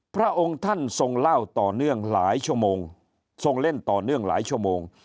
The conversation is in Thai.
พระองค์ท่านทรงเล่นต่อเนื่องหลายชั่วโมง